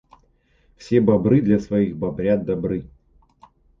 Все бобры для своих бобрят добры.